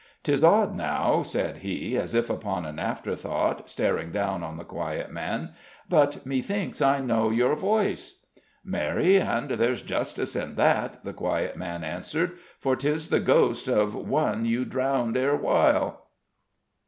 "'Tis odd, now," said he, as if upon an afterthought, staring down on the quiet man, "but methinks I know your voice?" "Marry and there's justice in that," the quiet man answered; "for 'tis the ghost of one you drowned erewhile."